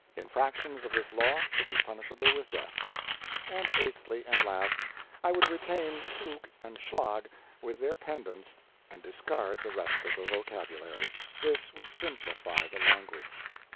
Infractions of this law should be punishable with death. And eighthly, and last, I would retain ZUG and SCHLAG, with their pendants, and discard the rest of the vocabulary. This would simplify the language.